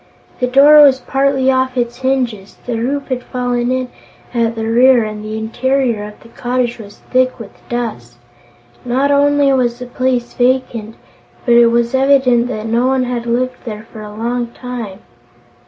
The door was partly off its hinges, the roof had fallen in at the rear and the interior of the cottage was thick with dust. Not only was the place vacant, but it was evident that no one had lived there for a long time.